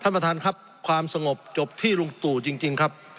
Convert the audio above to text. ท่านประธานครับความสงบจบที่ลุงตู่จริงครับ